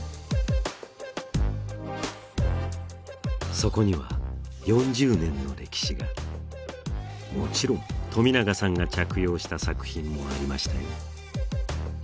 そこには４０年の歴史がもちろん冨永さんが着用した作品もありましたよ